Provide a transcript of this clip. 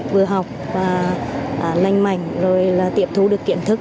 vừa học và lành mảnh rồi là tiệm thu được kiến thức